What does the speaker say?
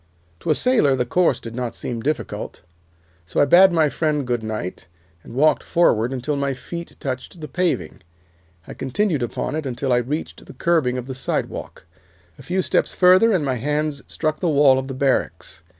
"To a sailor the course did not seem difficult, so I bade my friend goodnight and walked forward until my feet touched the paving. I continued upon it until I reached the curbing of the sidewalk. A few steps further, and my hands struck the wall of the barracks.